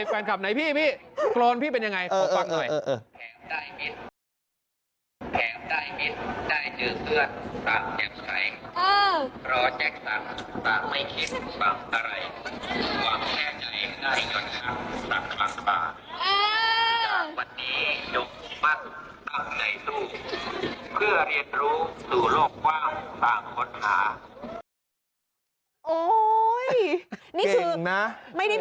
คือพี่มาทำเองใช่มั้ย